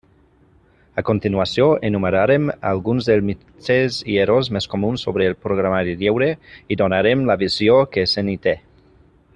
A continuació enumerarem alguns dels mites i errors més comuns sobre el programari lliure i donarem la visió que se n'hi té.